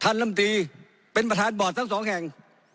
ลำตีเป็นประธานบอร์ดทั้งสองแห่ง